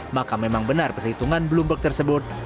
maka memang benar perhitungan bloomberg tersebut